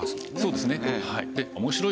そうですねはい。